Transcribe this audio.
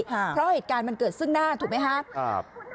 เพราะเหตุการณ์มันเกิดซึ่งหน้าถูกไหมครับ